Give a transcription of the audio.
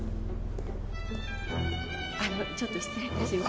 あのちょっと失礼いたします。